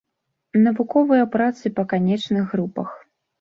Навуковыя працы па канечных групах.